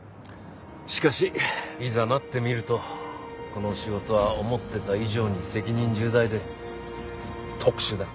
しかしいざなってみるとこの仕事は思ってた以上に責任重大で特殊だ。